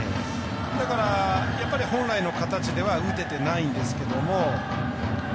だから、やっぱり本来の形では打ててないんですけども。